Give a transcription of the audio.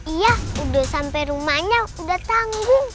iya udah sampai rumahnya udah tanggung